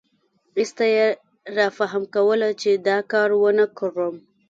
ایسته یې رافهم کوله چې دا کار ونکړم.